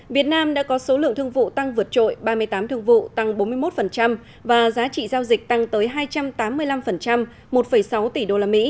việt nam đã có số lượng thương vụ tăng vượt trội ba mươi tám thương vụ tăng bốn mươi một và giá trị giao dịch tăng tới hai trăm tám mươi năm một sáu tỷ usd